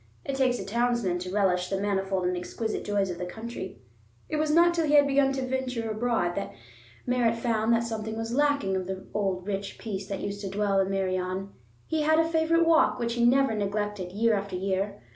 It takes a townsman to relish the manifold and exquisite joys of the country. It was not till he began to venture abroad that Merritt found that something was lacking of the old rich peace that used to dwell in Meirion. He had a favorite walk which he never neglected, year after year.